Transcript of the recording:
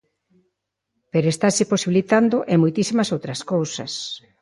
Pero estase posibilitando, e moitísimas outras cousas.